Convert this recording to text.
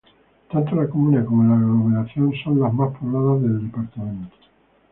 Tanto la comuna como la aglomeración son las más pobladas del departamento.